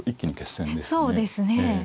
そうですね。